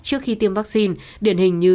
trước khi tiêm vaccine điển hình như